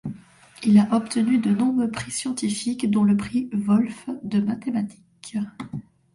Il a obtenu de nombreux prix scientifiques dont le prix Wolf de mathématiques.